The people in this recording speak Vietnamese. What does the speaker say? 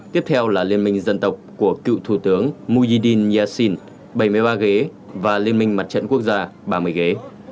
tiếp theo là liên minh dân tộc của cựu thủ tướng moghidin yassin bảy mươi ba ghế và liên minh mặt trận quốc gia ba mươi ghế